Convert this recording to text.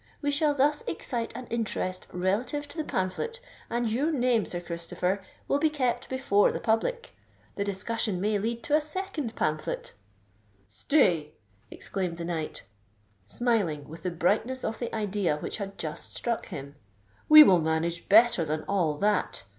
We shall thus excite an interest relative to the pamphlet, and your name, Sir Christopher, will be kept before the public. The discussion may lead to a second pamphlet——" "Stay!" exclaimed the knight, smiling with the brightness of the idea which had just struck him: "we will manage better than all that!